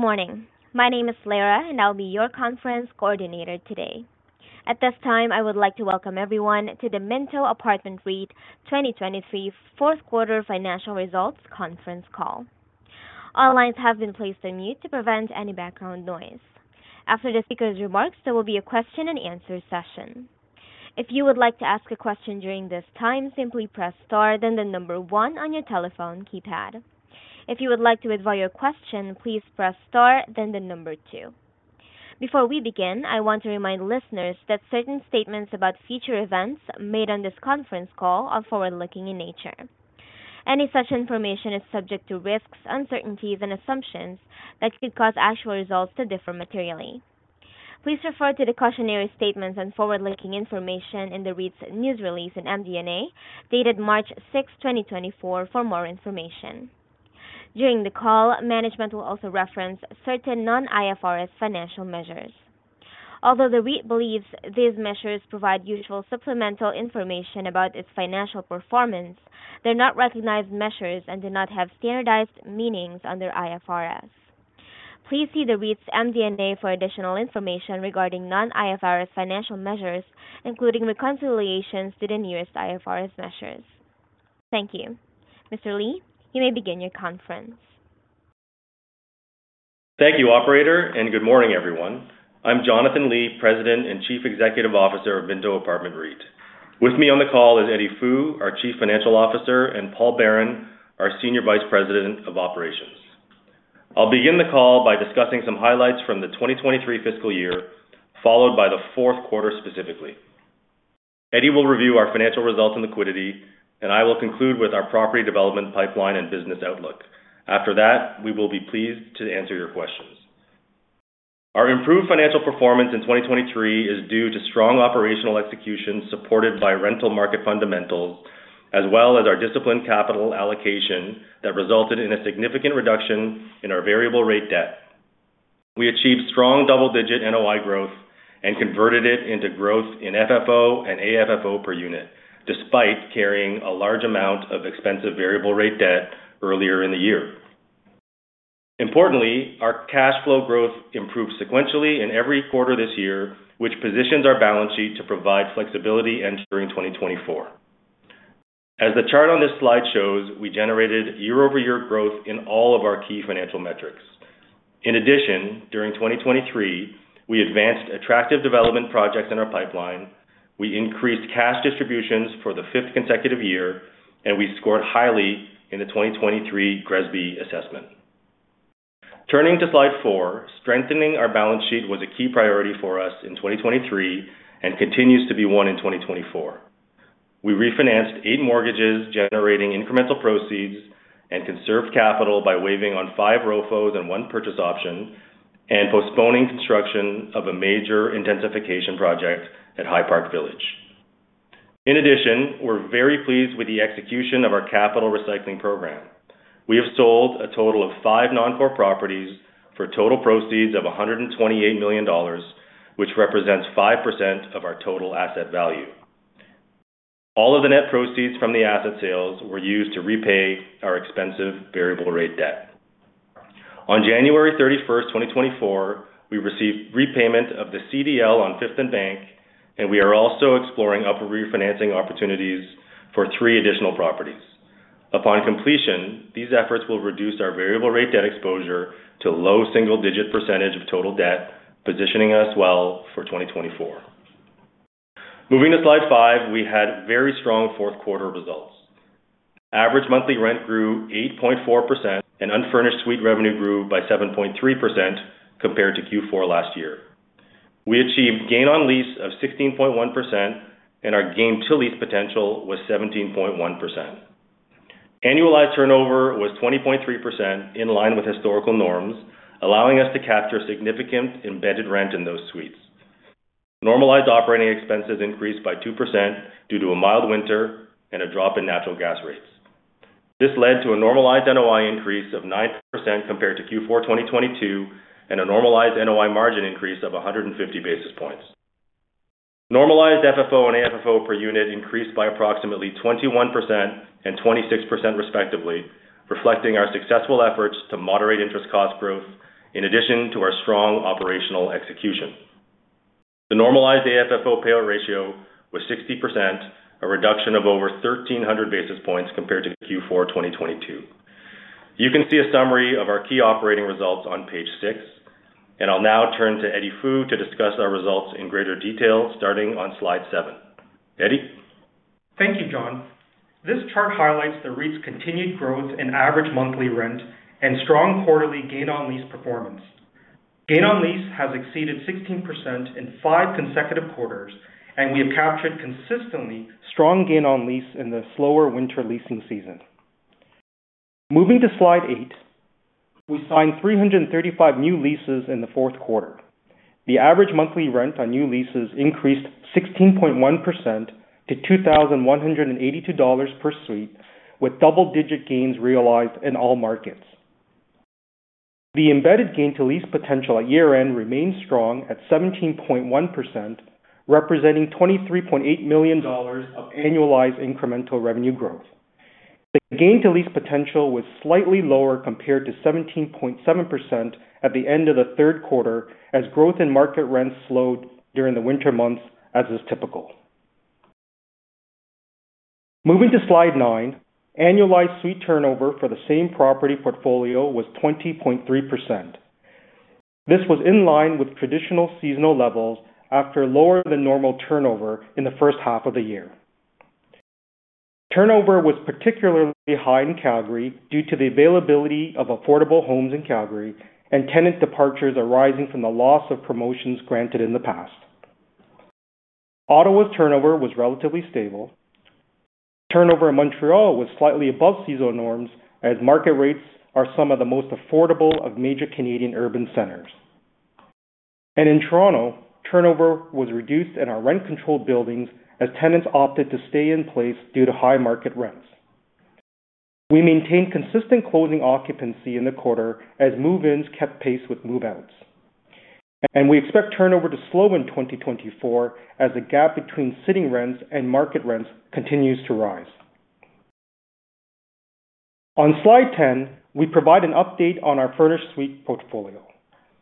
Good morning. My name is Lara, and I'll be your conference coordinator today. At this time, I would like to welcome everyone to the Minto Apartment REIT 2023 fourth Quarter Financial Results Conference Call. All lines have been placed on mute to prevent any background noise. After the speaker's remarks, there will be a question-and-answer session. If you would like to ask a question during this time, simply press star then the number one on your telephone keypad. If you would like to advise your question, please press star then the number two. Before we begin, I want to remind listeners that certain statements about future events made on this conference call are forward-looking in nature. Any such information is subject to risks, uncertainties, and assumptions that could cause actual results to differ materially. Please refer to the cautionary statements and forward-looking information in the REIT's news release in MD&A, dated March 6, 2024, for more information. During the call, management will also reference certain non-IFRS financial measures. Although the REIT believes these measures provide useful supplemental information about its financial performance, they're not recognized measures and do not have standardized meanings under IFRS. Please see the REIT's MD&A for additional information regarding non-IFRS financial measures, including reconciliations to the nearest IFRS measures. Thank you. Mr. Li, you may begin your conference. Thank you, operator, and good morning, everyone. I'm Jonathan Li, President and Chief Executive Officer of Minto Apartment REIT. With me on the call is Eddie Fu, our Chief Financial Officer, and Paul Baron, our Senior Vice President of Operations. I'll begin the call by discussing some highlights from the 2023 fiscal year, followed by the fourth quarter specifically. Eddie will review our financial results and liquidity, and I will conclude with our property development pipeline and business outlook. After that, we will be pleased to answer your questions. Our improved financial performance in 2023 is due to strong operational execution supported by rental market fundamentals, as well as our disciplined capital allocation that resulted in a significant reduction in our variable rate debt. We achieved strong double-digit NOI growth and converted it into growth in FFO and AFFO per unit, despite carrying a large amount of expensive variable rate debt earlier in the year. Importantly, our cash flow growth improved sequentially in every quarter this year, which positions our balance sheet to provide flexibility entering 2024. As the chart on this slide shows, we generated year-over-year growth in all of our key financial metrics. In addition, during 2023, we advanced attractive development projects in our pipeline, we increased cash distributions for the fifth consecutive year, and we scored highly in the 2023 GRESB Assessment. Turning to slide 4, strengthening our balance sheet was a key priority for us in 2023 and continues to be one in 2024. We refinanced eight mortgages, generating incremental proceeds, and conserved capital by waiving on five ROFOs and one purchase option, and postponing construction of a major intensification project at High Park Village. In addition, we're very pleased with the execution of our capital recycling program. We have sold a total of five non-core properties for total proceeds of 128 million dollars, which represents 5% of our total asset value. All of the net proceeds from the asset sales were used to repay our expensive variable rate debt. On January 31, 2024, we received repayment of the CDL on Fifth + Bank, and we are also exploring upward refinancing opportunities for three additional properties. Upon completion, these efforts will reduce our variable rate debt exposure to low single-digit percentage of total debt, positioning us well for 2024. Moving to slide five, we had very strong fourth quarter results. Average monthly rent grew 8.4%. Unfurnished suite revenue grew by 7.3% compared to Q4 last year. We achieved gain on lease of 16.1%, and our gain-to-lease potential was 17.1%. Annualized turnover was 20.3% in line with historical norms, allowing us to capture significant embedded rent in those suites. Normalized operating expenses increased by 2% due to a mild winter and a drop in natural gas rates. This led to a normalized NOI increase of 9% compared to Q4 2022 and a normalized NOI margin increase of 150 basis points. Normalized FFO and AFFO per unit increased by approximately 21% and 26% respectively, reflecting our successful efforts to moderate interest cost growth in addition to our strong operational execution. The normalized AFFO payout ratio was 60%, a reduction of over 1,300 basis points compared to Q4 2022. You can see a summary of our key operating results on page six, and I'll now turn to Eddie Fu to discuss our results in greater detail starting on slide seven. Eddie? Thank you, Jonathan. This chart highlights the REIT's continued growth in average monthly rent and strong quarterly gain-on-lease performance. Gain on lease has exceeded 16% in five consecutive quarters, and we have captured consistently strong gain on lease in the slower winter leasing season. Moving to slide eight, we signed 335 new leases in the fourth quarter. The average monthly rent on new leases increased 16.1% to 2,182 dollars per suite, with double-digit gains realized in all markets. The embedded gain-to-lease potential at year-end remains strong at 17.1%, representing 23.8 million dollars of annualized incremental revenue growth. The gain-to-lease potential was slightly lower compared to 17.7% at the end of the third quarter as growth in market rents slowed during the winter months, as is typical. Moving to slide nine, annualized suite turnover for the same property portfolio was 20.3%. This was in line with traditional seasonal levels after lower-than-normal turnover in the first half of the year. Turnover was particularly high in Calgary due to the availability of affordable homes in Calgary and tenant departures arising from the loss of promotions granted in the past. Ottawa's turnover was relatively stable. Turnover in Montreal was slightly above seasonal norms as market rates are some of the most affordable of major Canadian urban centers. In Toronto, turnover was reduced in our rent-controlled buildings as tenants opted to stay in place due to high market rents. We maintained consistent closing occupancy in the quarter as move-ins kept pace with move-outs. We expect turnover to slow in 2024 as the gap between sitting rents and market rents continues to rise. On slide 10, we provide an update on our furnished suite portfolio.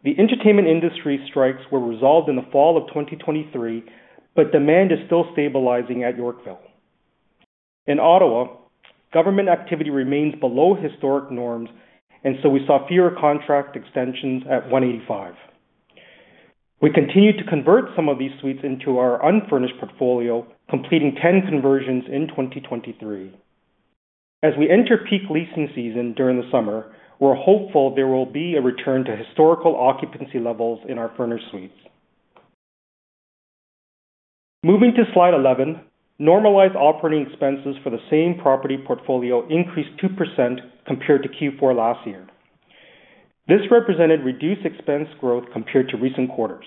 The entertainment industry strikes were resolved in the fall of 2023, but demand is still stabilizing at Yorkville. In Ottawa, government activity remains below historic norms, and so we saw fewer contract extensions at 185. We continue to convert some of these suites into our unfurnished portfolio, completing 10 conversions in 2023. As we enter peak leasing season during the summer, we're hopeful there will be a return to historical occupancy levels in our furnished suites. Moving to slide 11, normalized operating expenses for the same property portfolio increased 2% compared to Q4 last year. This represented reduced expense growth compared to recent quarters.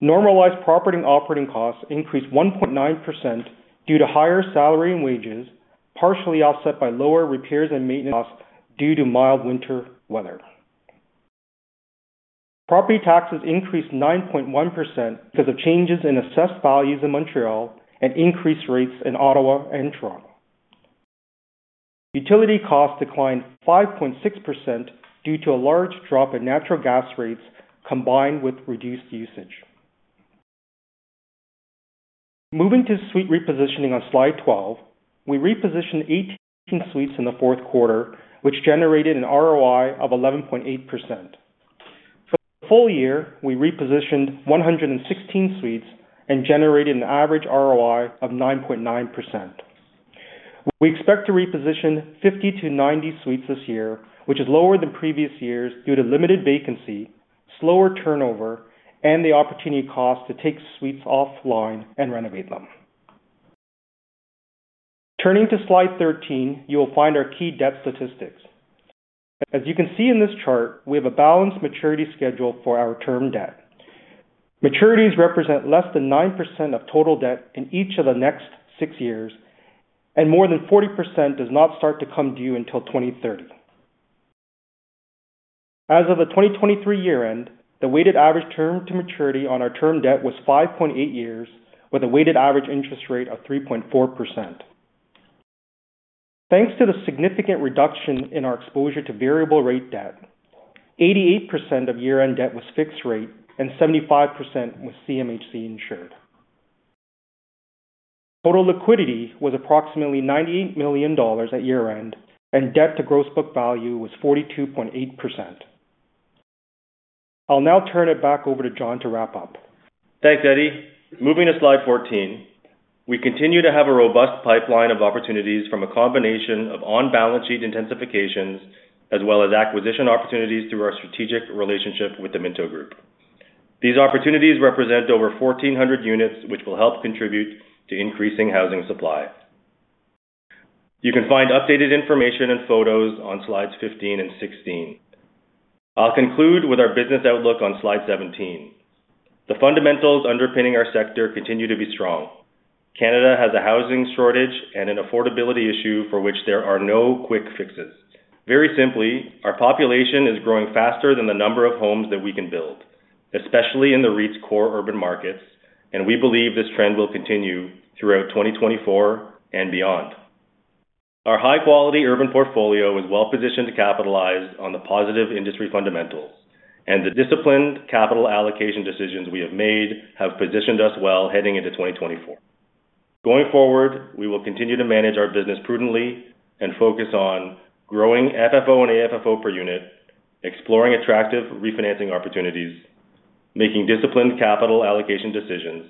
Normalized property operating costs increased 1.9% due to higher salary and wages, partially offset by lower repairs and maintenance costs due to mild winter weather. Property taxes increased 9.1% because of changes in assessed values in Montreal and increased rates in Ottawa and Toronto. Utility costs declined 5.6% due to a large drop in natural gas rates combined with reduced usage. Moving to suite repositioning on slide 12, we repositioned 18 suites in the fourth quarter, which generated an ROI of 11.8%. For the full year, we repositioned 116 suites and generated an average ROI of 9.9%. We expect to reposition 50 to 90 suites this year, which is lower than previous years due to limited vacancy, slower turnover, and the opportunity cost to take suites offline and renovate them. Turning to slide 13, you will find our key debt statistics. As you can see in this chart, we have a balanced maturity schedule for our term debt. Maturities represent less than 9% of total debt in each of the next six years, and more than 40% does not start to come due until 2030. As of the 2023 year-end, the weighted average term-to-maturity on our term debt was 5.8 years, with a weighted average interest rate of 3.4%. Thanks to the significant reduction in our exposure to variable rate debt, 88% of year-end debt was fixed rate and 75% was CMHC insured. Total liquidity was approximately 98 million dollars at year-end, and debt-to-gross book value was 42.8%. I'll now turn it back over to Jon to wrap up. Thanks, Eddie. Moving to slide 14, we continue to have a robust pipeline of opportunities from a combination of on-balance sheet intensifications as well as acquisition opportunities through our strategic relationship with the Minto Group. These opportunities represent over 1,400 units, which will help contribute to increasing housing supply. You can find updated information and photos on slides 15 and 16. I'll conclude with our business outlook on slide 17. The fundamentals underpinning our sector continue to be strong. Canada has a housing shortage and an affordability issue for which there are no quick fixes. Very simply, our population is growing faster than the number of homes that we can build, especially in the REIT's core urban markets, and we believe this trend will continue throughout 2024 and beyond. Our high-quality urban portfolio is well-positioned to capitalize on the positive industry fundamentals, and the disciplined capital allocation decisions we have made have positioned us well heading into 2024. Going forward, we will continue to manage our business prudently and focus on growing FFO and AFFO per unit, exploring attractive refinancing opportunities, making disciplined capital allocation decisions,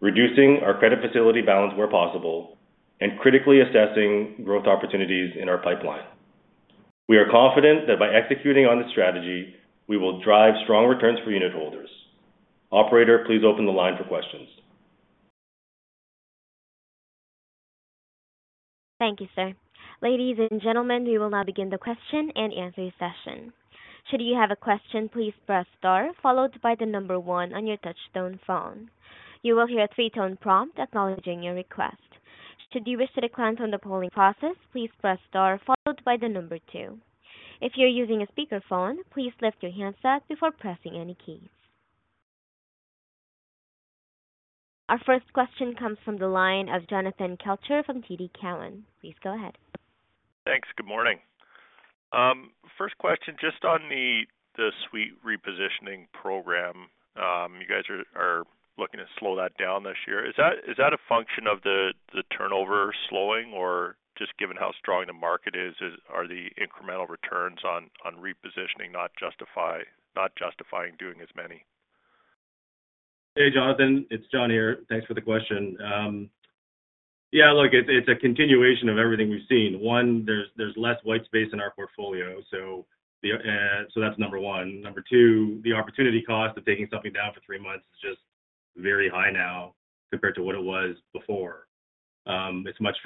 reducing our credit facility balance where possible, and critically assessing growth opportunities in our pipeline. We are confident that by executing on this strategy, we will drive strong returns for unit holders. Operator, please open the line for questions. Thank you, sir. Ladies and gentlemen, we will now begin the question and answer session. Should you have a question, please press star followed by the number one on your touch-tone phone. You will hear a three-tone prompt acknowledging your request. Should you wish to decline from the polling process, please press star followed by the number 2two. If you're using a speakerphone, please lift your handset before pressing any keys. Our first question comes from the line of Jonathan Kelcher from TD Cowen. Please go ahead. Thanks. Good morning. First question, just on the suite repositioning program, you guys are looking to slow that down this year. Is that a function of the turnover slowing, or just given how strong the market is, are the incremental returns on repositioning not justifying doing as many? Hey, Jonathan. It's Jon here. Thanks for the question. Yeah, look, it's a continuation of everything we've seen. One, there's less white space in our portfolio, so that's number one. Number two, the opportunity cost of taking something down for three months is just very high now compared to what it was before. It's much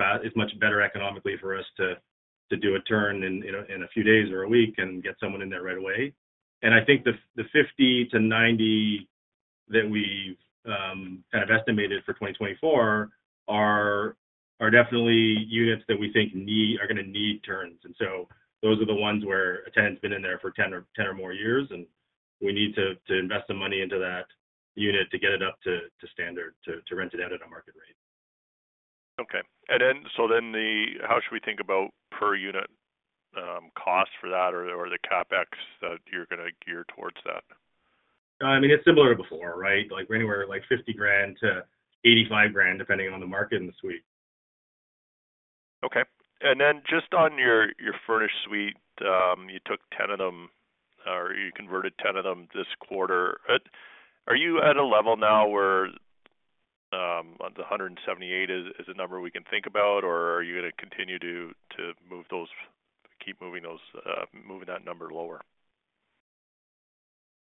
better economically for us to do a turn in a few days or a week and get someone in there right away. And I think the 50-90 that we've kind of estimated for 2024 are definitely units that we think are going to need turns. And so those are the ones where a tenant's been in there for 10 or more years, and we need to invest some money into that unit to get it up to standard, to rent it out at a market rate. Okay. And so then how should we think about per-unit cost for that or the CapEx that you're going to gear towards that? I mean, it's similar to before, right? We're anywhere like 50,000-85,000, depending on the market in the suite. Okay. And then just on your furnished suite, you took 10 of them or you converted 10 of them this quarter. Are you at a level now where the 178 is a number we can think about, or are you going to continue to keep moving that number lower?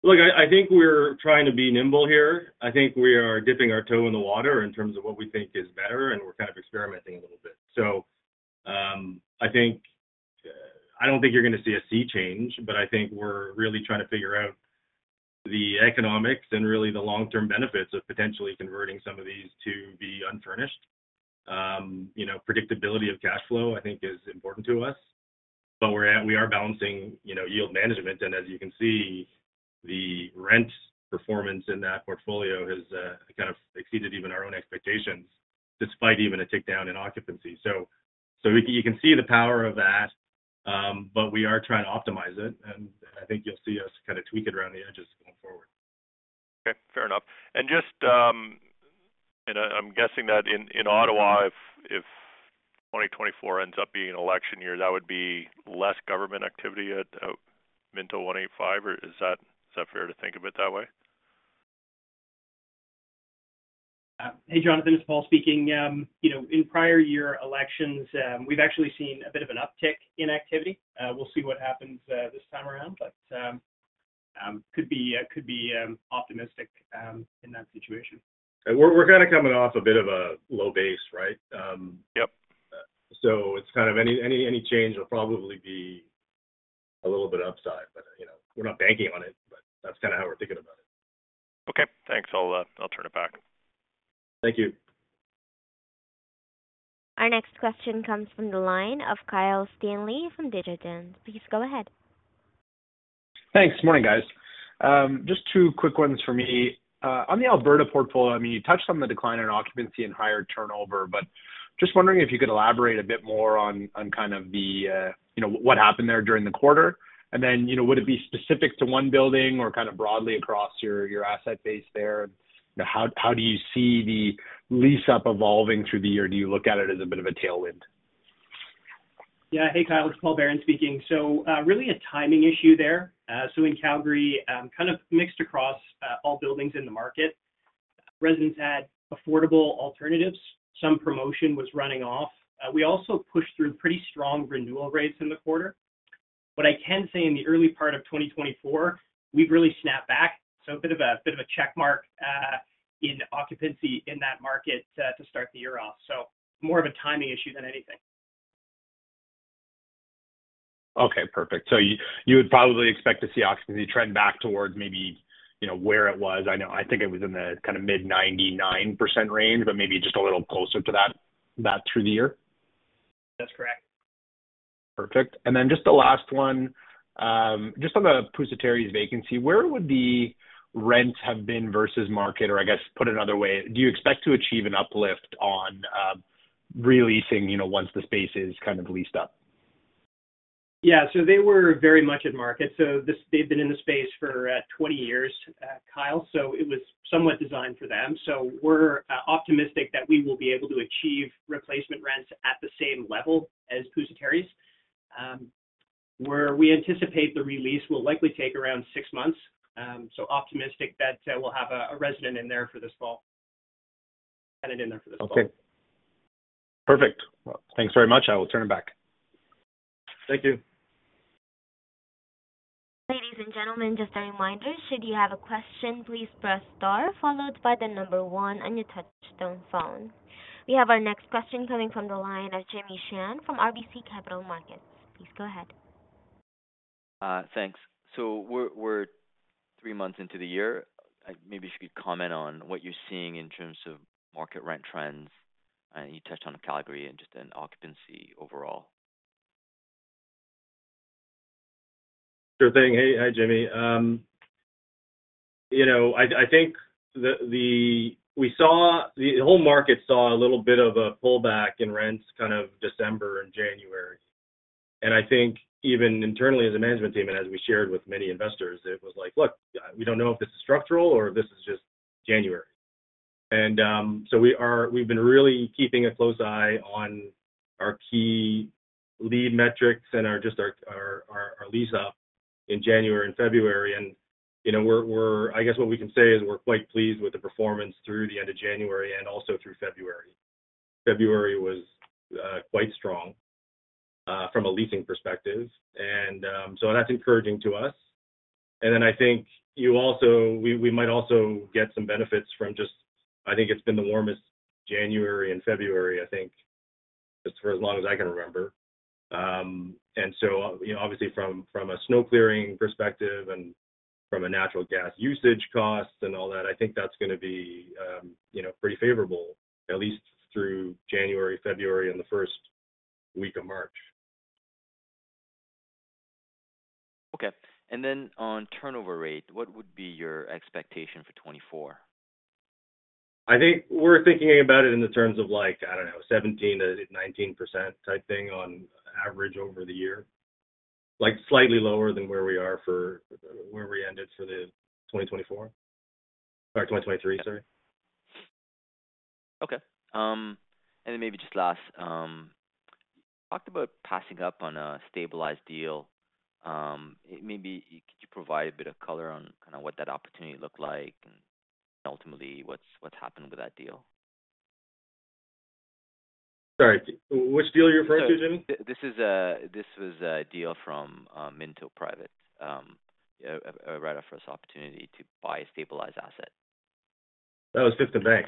Look, I think we're trying to be nimble here. I think we are dipping our toe in the water in terms of what we think is better, and we're kind of experimenting a little bit. So I don't think you're going to see a sea change, but I think we're really trying to figure out the economics and really the long-term benefits of potentially converting some of these to be unfurnished. Predictability of cash flow, I think, is important to us. But we are balancing yield management. And as you can see, the rent performance in that portfolio has kind of exceeded even our own expectations despite even a takedown in occupancy. So you can see the power of that, but we are trying to optimize it, and I think you'll see us kind of tweak it around the edges going forward. Okay. Fair enough. I'm guessing that in Ottawa, if 2024 ends up being an election year, that would be less government activity at Minto one80five, or is that fair to think of it that way? Hey, Jonathan. It's Paul speaking. In prior year elections, we've actually seen a bit of an uptick in activity. We'll see what happens this time around, but could be optimistic in that situation. We're kind of coming off a bit of a low base, right? So it's kind of any change will probably be a little bit upside, but we're not banking on it, but that's kind of how we're thinking about it. Okay. Thanks. I'll turn it back. Thank you. Our next question comes from the line of Kyle Stanley from Desjardins. Please go ahead. Thanks. Morning, guys. Just two quick ones for me. On the Alberta portfolio, I mean, you touched on the decline in occupancy and higher turnover, but just wondering if you could elaborate a bit more on kind of what happened there during the quarter. And then would it be specific to one building or kind of broadly across your asset base there? How do you see the lease-up evolving through the year? Do you look at it as a bit of a tailwind? Yeah. Hey, Kyle. It's Paul Baron speaking. So really a timing issue there. So in Calgary, kind of mixed across all buildings in the market. Residents had affordable alternatives. Some promotion was running off. We also pushed through pretty strong renewal rates in the quarter. What I can say in the early part of 2024, we've really snapped back. So a bit of a checkmark in occupancy in that market to start the year off. So more of a timing issue than anything. Okay. Perfect. So you would probably expect to see occupancy trend back towards maybe where it was? I think it was in the kind of mid-99% range, but maybe just a little closer to that through the year? That's correct. Perfect. And then just the last one, just on the Pusateri's vacancy, where would the rent have been versus market? Or I guess, put another way, do you expect to achieve an uplift on releasing once the space is kind of leased up? Yeah. So they were very much at market. So they've been in the space for 20 years, Kyle, so it was somewhat designed for them. So we're optimistic that we will be able to achieve replacement rents at the same level as Pusateri's. We anticipate the release will likely take around 6 months, so optimistic that we'll have a resident in there for this fall, tenant in there for this fall. Okay. Perfect. Well, thanks very much. I will turn it back. Thank you. Ladies and gentlemen, just a reminder, should you have a question, please press star followed by the number one on your touch-tone phone. We have our next question coming from the line of Jimmy Shan from RBC Capital Markets. Please go ahead. Thanks. So we're three months into the year. Maybe if you could comment on what you're seeing in terms of market rent trends? You touched on Calgary and just an occupancy overall. Sure thing. Hey, Jimmy. I think we saw the whole market saw a little bit of a pullback in rents kind of December and January. I think even internally as a management team and as we shared with many investors, it was like, "Look, we don't know if this is structural or if this is just January." We've been really keeping a close eye on our key lead metrics and just our lease-up in January and February. I guess what we can say is we're quite pleased with the performance through the end of January and also through February. February was quite strong from a leasing perspective, and so that's encouraging to us. I think we might also get some benefits from just I think it's been the warmest January and February, I think, as far as long as I can remember. And so obviously, from a snow-clearing perspective and from a natural gas usage cost and all that, I think that's going to be pretty favorable, at least through January, February, and the first week of March. Okay. And then on turnover rate, what would be your expectation for 2024? I think we're thinking about it in the terms of, I don't know, 17%-19% type thing on average over the year, slightly lower than where we are for where we ended for 2024 or 2023, sorry. Okay. And then maybe just last, you talked about passing up on a stabilized deal. Maybe could you provide a bit of color on kind of what that opportunity looked like and ultimately what's happened with that deal? Sorry. Which deal are you referring to, Jim? This was a deal from Minto Private, right off of this opportunity to buy a stabilized asset. That was Fifth + Bank.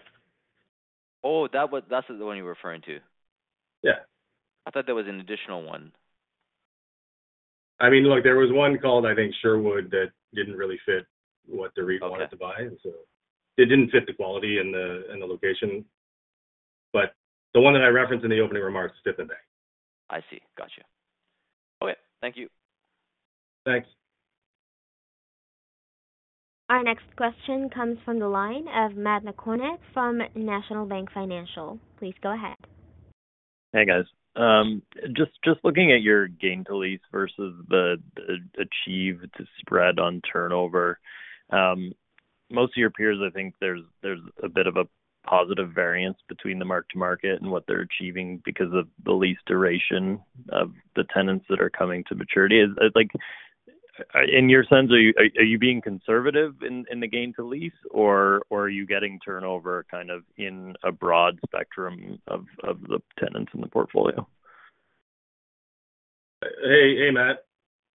Oh, that's the one you're referring to? Yeah. I thought there was an additional one. I mean, look, there was one called, I think, Sherwood that didn't really fit what the REIT wanted to buy. And so it didn't fit the quality and the location. But the one that I referenced in the opening remarks, it's Fifth + Bank. I see. Gotcha. Okay. Thank you. Thanks. Our next question comes from the line of Matt Korn from National Bank Financial. Please go ahead. Hey, guys. Just looking at your gain-to-lease versus the achieved spread on turnover, most of your peers, I think there's a bit of a positive variance between the mark-to-market and what they're achieving because of the lease duration of the tenants that are coming to maturity. In your sense, are you being conservative in the gain-to-lease, or are you getting turnover kind of in a broad spectrum of the tenants in the portfolio? Hey, Matt.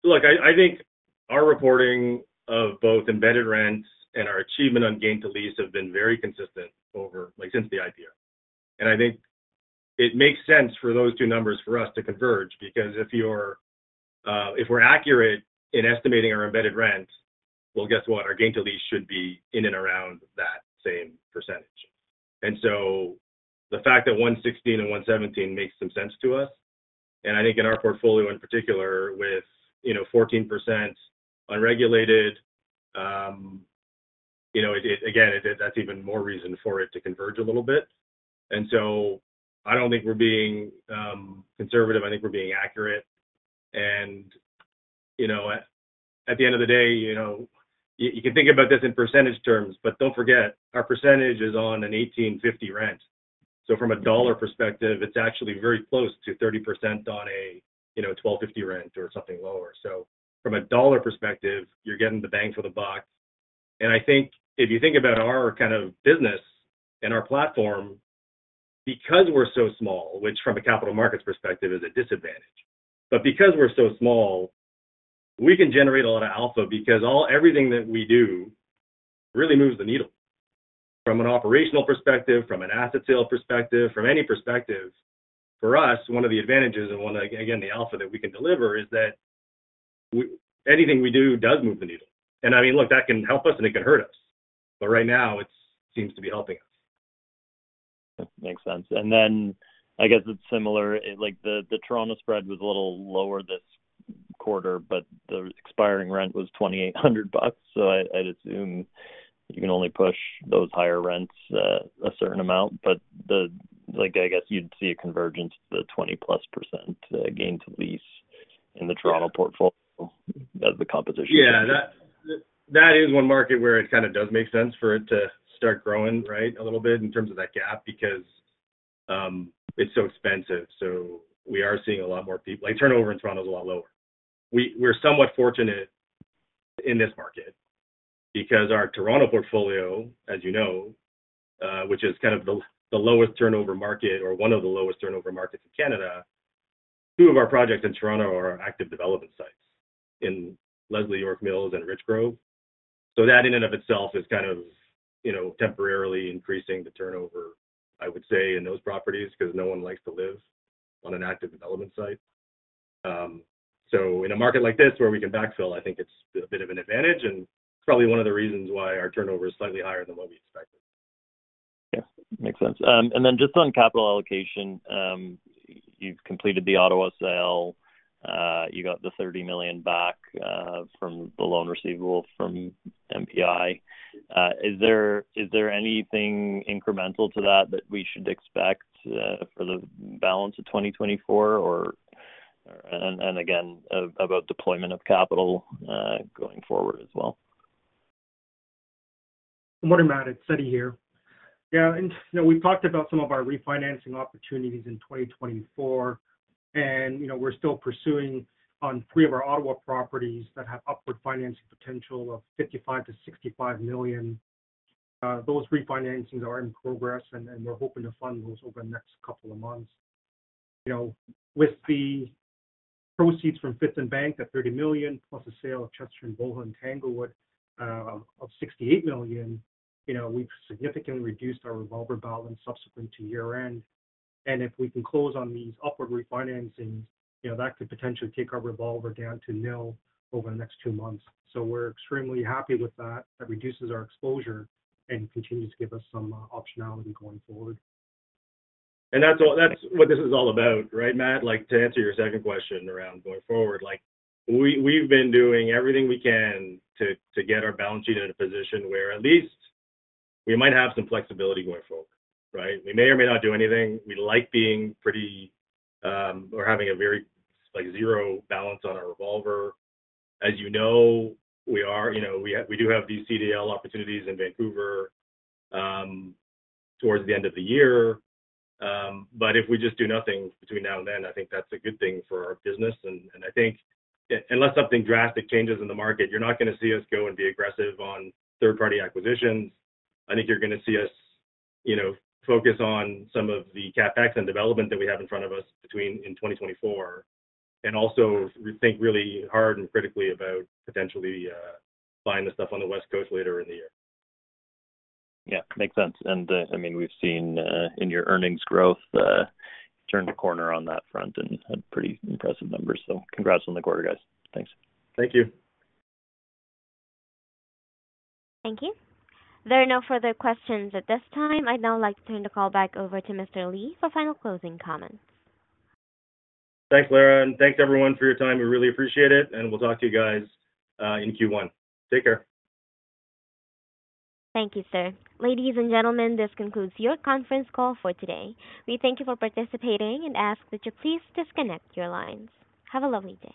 Look, I think our reporting of both embedded rents and our achievement on gain-to-lease have been very consistent since the IPO. I think it makes sense for those two numbers for us to converge because if we're accurate in estimating our embedded rent, well, guess what? Our gain-to-lease should be in and around that same percentage. So the fact that 116 and 117 makes some sense to us. I think in our portfolio in particular, with 14% unregulated, again, that's even more reason for it to converge a little bit. I don't think we're being conservative. I think we're being accurate. At the end of the day, you can think about this in percentage terms, but don't forget, our percentage is on a 18.50 rent. So from a dollar perspective, it's actually very close to 30% on a 12.50 rent or something lower. So from a dollar perspective, you're getting the bang for the buck. And I think if you think about our kind of business and our platform, because we're so small, which from a capital markets perspective is a disadvantage, but because we're so small, we can generate a lot of alpha because everything that we do really moves the needle. From an operational perspective, from an asset sale perspective, from any perspective, for us, one of the advantages and one, again, the alpha that we can deliver is that anything we do does move the needle. And I mean, look, that can help us, and it can hurt us. But right now, it seems to be helping us. That makes sense. And then I guess it's similar. The Toronto spread was a little lower this quarter, but the expiring rent was 2,800 bucks. So I'd assume you can only push those higher rents a certain amount. But I guess you'd see a convergence to the 20%+ gain-to-lease in the Toronto portfolio as the composition. Yeah. That is one market where it kind of does make sense for it to start growing, right, a little bit in terms of that gap because it's so expensive. So we are seeing a lot more people turnover in Toronto is a lot lower. We're somewhat fortunate in this market because our Toronto portfolio, as you know, which is kind of the lowest turnover market or one of the lowest turnover market in Canada, two of our projects in Toronto are active development sites in Leslie York Mills and Richgrove. So that in and of itself is kind of temporarily increasing the turnover, I would say, in those properties because no one likes to live on an active development site. So in a market like this where we can backfill, I think it's a bit of an advantage. It's probably one of the reasons why our turnover is slightly higher than what we expected. Yeah. Makes sense. Then just on capital allocation, you've completed the Ottawa sale. You got 30 million back from the loan receivable from MPI. Is there anything incremental to that that we should expect for the balance of 2024? And again, about deployment of capital going forward as well. Good morning, Matt. It's Eddie here. Yeah. And we've talked about some of our refinancing opportunities in 2024. And we're still pursuing on three of our Ottawa properties that have upward financing potential of 55 million-65 million. Those refinancings are in progress, and we're hoping to fund those over the next couple of months. With the proceeds from Fifth + Bank, that 30 million, plus the sale of Chesterton, Bowhill, and Tanglewood of 68 million, we've significantly reduced our revolver balance subsequent to year-end. And if we can close on these upward refinancings, that could potentially take our revolver down to nil over the next two months. So we're extremely happy with that. That reduces our exposure and continues to give us some optionality going forward. And that's what this is all about, right, Matt? To answer your second question around going forward, we've been doing everything we can to get our balance sheet in a position where at least we might have some flexibility going forward, right? We may or may not do anything. We like being pretty or having a very zero balance on our revolver. As you know, we are. We do have these CDL opportunities in Vancouver towards the end of the year. But if we just do nothing between now and then, I think that's a good thing for our business. And I think unless something drastic changes in the market, you're not going to see us go and be aggressive on third-party acquisitions. I think you're going to see us focus on some of the CapEx and development that we have in front of us in 2024 and also think really hard and critically about potentially buying the stuff on the West Coast later in the year. Yeah. Makes sense. And I mean, we've seen in your earnings growth turn the corner on that front and had pretty impressive numbers. So congrats on the quarter, guys. Thanks. Thank you. Thank you. There are no further questions at this time. I'd now like to turn the call back over to Mr. Li for final closing comments. Thanks, Lara. Thanks, everyone, for your time. We really appreciate it. We'll talk to you guys in Q1. Take care. Thank you, sir. Ladies and gentlemen, this concludes your conference call for today. We thank you for participating and ask that you please disconnect your lines. Have a lovely day.